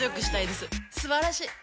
すばらしい！